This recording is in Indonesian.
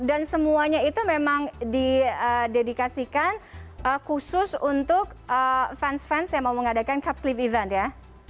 semuanya itu memang didedikasikan khusus untuk fans fans yang mau mengadakan capslep event ya